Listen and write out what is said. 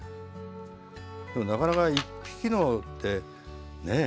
でもなかなか一匹のってねえ？